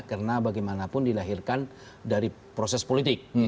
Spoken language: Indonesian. karena bagaimanapun dilahirkan dari proses politik